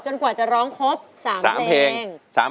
จนกว่าจะร้องครบ๓เพลง๓เพลง